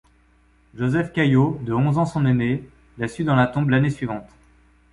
Joseph Caillaux, de onze ans son aîné, la suit dans la tombe l'année suivante.